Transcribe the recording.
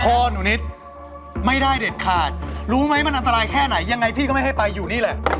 พ่อหนูนิดไม่ได้เด็ดขาดรู้ไหมมันอันตรายแค่ไหนยังไงพี่ก็ไม่ให้ไปอยู่นี่แหละ